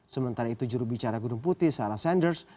sementara itu jurubicara gunung putih sarah sanders